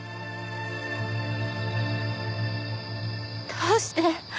どうして？